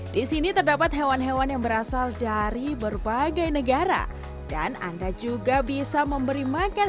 di sini terdapat hewan hewan yang berasal dari berbagai negara dan anda juga bisa memberi makan